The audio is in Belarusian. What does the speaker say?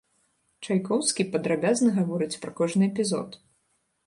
Чайкоўскі падрабязна гаворыць пра кожны эпізод.